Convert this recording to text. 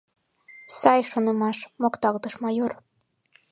— Сай шонымаш, — мокталтыш майор.